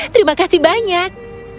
terima kasih banyak